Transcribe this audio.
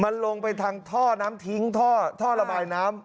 มันลงไปทางท่อน้ำทิ้งท่อระบายน้ำ